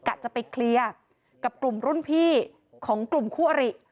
จะไปเคลียร์กับกลุ่มรุ่นพี่ของกลุ่มคู่อริ